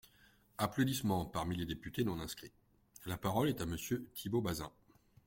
(Applaudissements parmi les députés non inscrits.) La parole est à Monsieur Thibault Bazin.